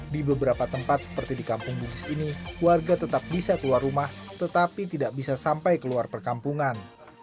di beberapa tempat seperti di kampung bugis ini warga tetap bisa keluar rumah tetapi tidak bisa sampai keluar perkampungan